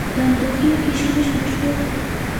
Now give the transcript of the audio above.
د اندخوی کشمش مشهور دي